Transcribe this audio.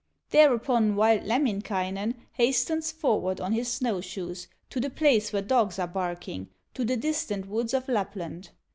Thereupon wild Lemminkainen Hastens forward on his snow shoes, To the place where dogs are barking, To the distant woods of Lapland.